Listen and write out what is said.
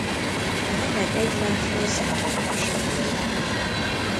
A nemek egymáshoz nagyon hasonlóak.